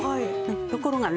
ところがね